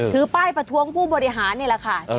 ถือป้ายประท้วงผู้บริหารนี่แหละค่ะ